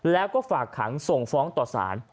แล้วก็ฝากขังส่งฟ้องต่อสาร